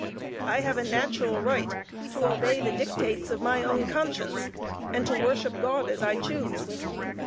I have a natural right to obey the dictates of my own conscience, and to worship God as I choose.